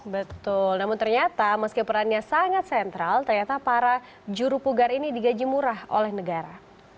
betul namun ternyata meski perannya sangat sentral ternyata para juru pugar ini digaji murah oleh negara